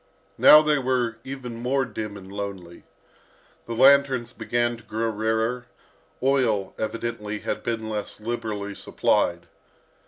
Now they were even more dim and lonely. The lanterns began to grow rarer, oil, evidently, had been less liberally supplied.